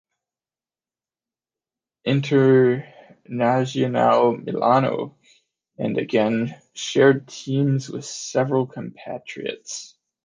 Internazionale Milano, and again shared teams with several compatriots.